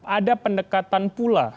ada pendekatan pula